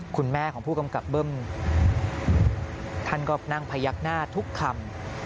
คุณแม่ของผู้กำกับเบิ้มท่านก็นั่งพยักหน้าทุกคำ